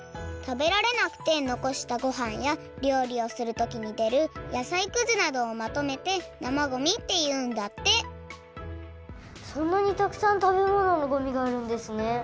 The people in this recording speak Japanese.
食べられなくてのこしたごはんやりょうりをするときにでるやさいくずなどをまとめて生ごみっていうんだってそんなにたくさん食べ物のごみがあるんですね。